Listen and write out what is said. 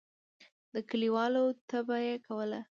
د کلیوالو طبعه یې کوله.